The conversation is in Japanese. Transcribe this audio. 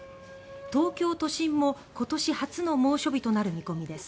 東京都心も今年初の猛暑日となる見込みです。